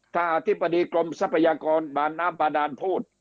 ถ้าอธิบดีกรมทรัพยากรบบพูด